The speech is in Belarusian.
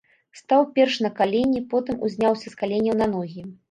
Стаў перш на калені, потым узняўся з каленяў на ногі.